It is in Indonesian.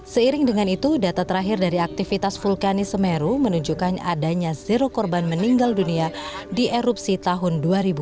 seiring dengan itu data terakhir dari aktivitas vulkanis semeru menunjukkan adanya zero korban meninggal dunia di erupsi tahun dua ribu dua puluh